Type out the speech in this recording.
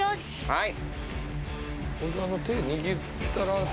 はい。